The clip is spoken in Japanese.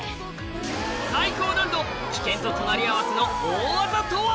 最高難度危険と隣り合わせの大技とは？